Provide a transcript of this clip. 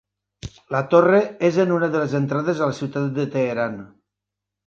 La torre és en una de les entrades a la ciutat de Teheran.